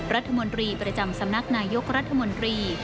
รัฐมนตรีประจำสำนักนายกรัฐมนตรี